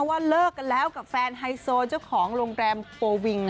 ว่าเลิกกันแล้วกับแฟนไฮโซเจ้าของโรงแรมโกวิง